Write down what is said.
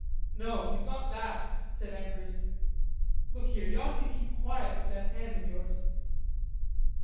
"No, he's not that," said Andrews. "Look here, you ought to keep quiet with that hand of yours."